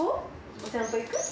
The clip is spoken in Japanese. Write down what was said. お散歩行く？